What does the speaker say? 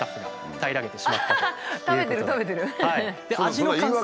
「平らげてしまって」って。